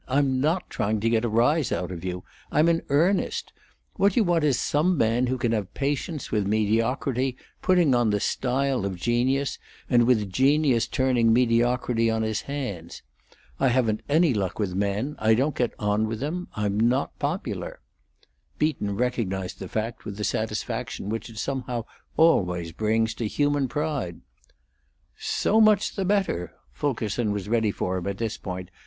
"I'm not trying to get a rise out of you. I'm in earnest. What you want is some man who can have patience with mediocrity putting on the style of genius, and with genius turning mediocrity on his hands. I haven't any luck with men; I don't get on with them; I'm not popular." Beaton recognized the fact with the satisfaction which it somehow always brings to human pride. "So much the better!" Fulkerson was ready for him at this point.